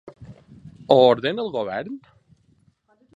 Ho ordena el govern?